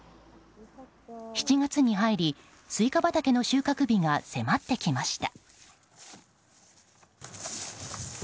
７月に入り、スイカ畑の収穫日が迫ってきました。